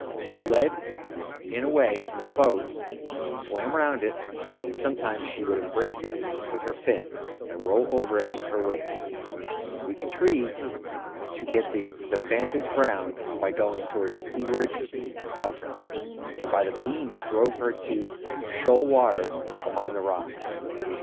She led it away from the boats, swam round it, and sometimes she would embrace it with her fins, and roll over with it in the waves. We contrived to get the "'vantage ground" by going to seaward of her, and by that means drove her into shoal water among the rocks.